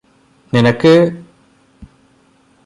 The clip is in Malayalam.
നിനക്ക്